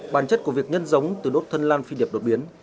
bản chất của việc nhân giống từ đốt thân lan phi điệp đột biến